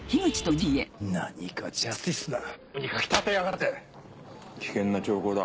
何がジャスティスだ。